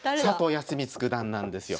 康光九段なんですよ。